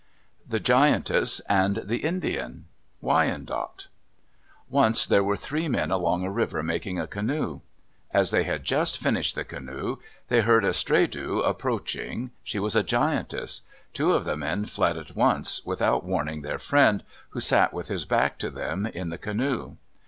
THE GIANTESS AND THE INDIAN Wyandot Once there were three men along a river making a canoe. As they had just finished the canoe, they heard a Stredu approaching. She was a giantess. Two of the men fled at once, without warning their friend, who sat with his back to them in the canoe.